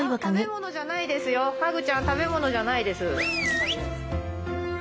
はぐちゃん食べ物じゃないです。